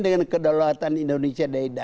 dengan kedaulatan indonesia daidah dan